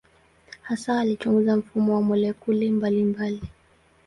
Hasa alichunguza mfumo wa molekuli mbalimbali.